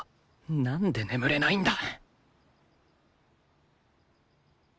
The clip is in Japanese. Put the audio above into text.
なんで眠れないんだ